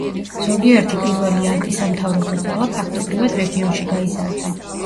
ზოგიერთი პირველი ანტისამთავრობო ძალა, ფაქტობრივად, რეგიონში გაიზარდა.